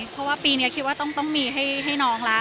เพราะว่าปีนี้คิดว่าต้องมีให้น้องแล้ว